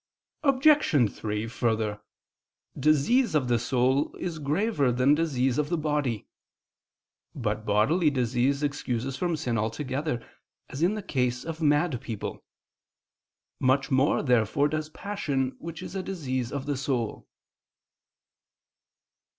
Obj. 3: Further, disease of the soul is graver than disease of the body. But bodily disease excuses from sin altogether, as in the case of mad people. Much more, therefore, does passion, which is a disease of the soul.